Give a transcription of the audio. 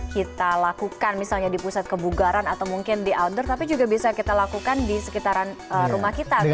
kita lakukan misalnya di pusat kebugaran atau mungkin di outdoor tapi juga bisa kita lakukan di sekitaran rumah kita